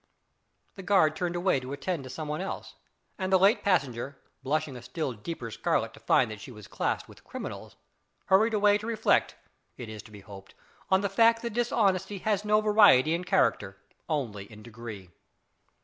The guard turned away to attend to some one else, and the late passenger, blushing a still deeper scarlet to find that she was classed with criminals, hurried away to reflect, it is to be hoped, on the fact that dishonesty has no variety in character only in degree.